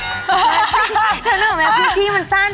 นึกออกไหมพื้นที่มันสั้น